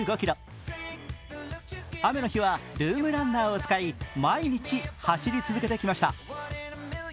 雨の日はルームランナーを使い、毎日走り続けてきました。